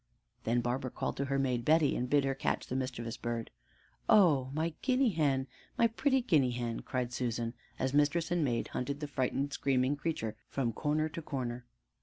Then Barbara called to her maid Betty and bid her catch the mischievous bird. "Oh, my guinea hen! my pretty guinea hen!" cried Susan, as mistress and maid hunted the frightened, screaming creature from corner to corner.